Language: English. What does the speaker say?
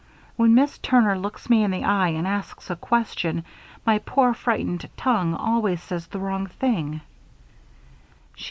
When Miss Turner looks me in the eye and asks a question, my poor frightened tongue always says the wrong thing."